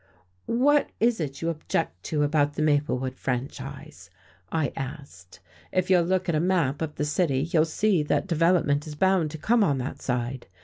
"What is it you object to about the Maplewood franchise?" I asked. "If you'll look at a map of the city, you'll see that development is bound to come on that side.